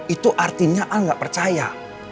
itu artinya al nggak percaya